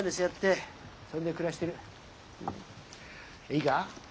いいか？